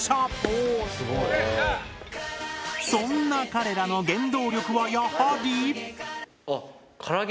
そんな彼らの原動力はやはり。